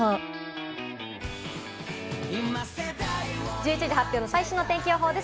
１１時発表の最新の天気予報です。